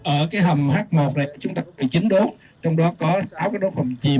ở cái hầm h một này chúng ta có một mươi chín đốt trong đó có sáu cái đốt còn chìm